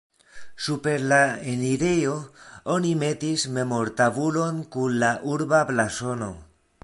Super la enirejo oni metis memortabulon kun la urba blazono.